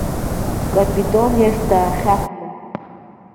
Капитон иахь даахьаҳәны.